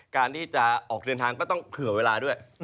การที่จะออกเดินทางก็ต้องเผื่อเวลาด้วย